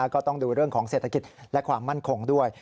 ก็ต้องดูเรื่องของเศรษฐกิจและความมั่นคงด้วย